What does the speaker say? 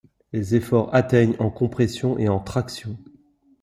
Les efforts atteignent en compression et en traction.